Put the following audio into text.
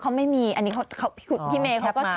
เขาไม่มีอันนี้พี่เมย์เขาก็